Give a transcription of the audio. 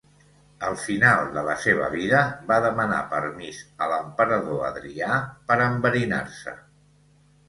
Al final de la seva vida va demanar permís a l'emperador Adrià per enverinar-se.